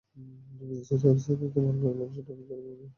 বিদেশে তৈরি সিরিয়াল বাংলা ভাষায় ডাবিং করে প্রচার করাটা কোনো দোষের কিছু নয়।